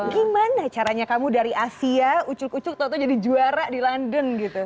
gimana caranya kamu dari asia ucuk ucuk tau tau jadi juara di london gitu